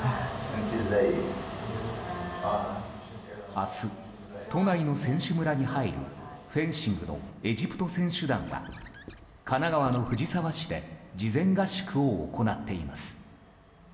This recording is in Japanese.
明日、都内の選手村に入るフェンシングのエジプト選手団は神奈川の藤沢市で事前合宿を行っています。